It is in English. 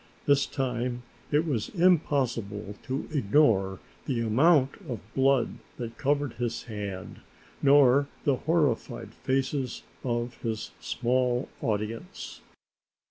This time it was impossible to ignore the amount of blood that covered his hand nor the horrified faces of his small audience.